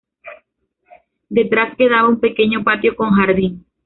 Detrás quedaba un pequeño patio con jardín.